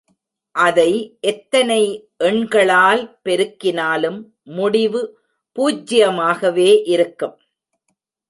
அதை எத்தனை எண்களால் பெருக்கினாலும் முடிவு பூஜ்யமாகவே இருக்கும்.